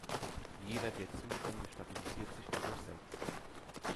Jeder der Zustände stabilisiert sich dadurch selbst.